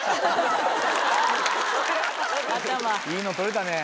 いいの撮れたね。